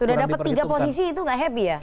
sudah dapat tiga posisi itu nggak happy ya